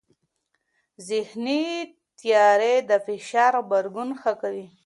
ذهني تیاری د فشار غبرګون ښه کوي.